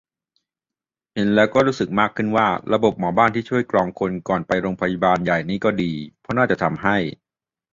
เห็นแล้วก็รู้สึกมากขึ้นว่า ระบบหมอบ้านที่ช่วยกรองคนก่อนไปโรงพยาบาลใหญ่นี่ก็ดี เพราะน่าจะทำให้